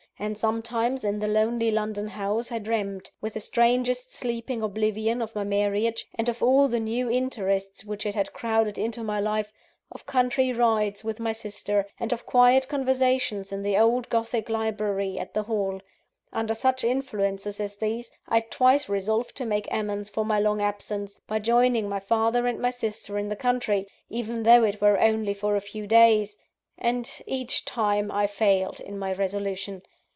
And, sometimes, in the lonely London house, I dreamed with the strangest sleeping oblivion of my marriage, and of all the new interests which it had crowded into my life of country rides with my sister, and of quiet conversations in the old gothic library at the Hall. Under such influences as these, I twice resolved to make amends for my long absence, by joining my father and my sister in the country, even though it were only for a few days and, each time, I failed in my resolution.